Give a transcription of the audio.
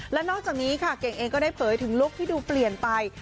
และนอกจากนี้ค่ะเก่งเองก็ได้เผยถึงลุคที่ดูเปลี่ยนไป